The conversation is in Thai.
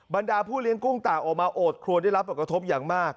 บรรดาผู้เลี้ยงกุ้งต่างออกมาโอดครัวได้รับประกระทบอย่างมาก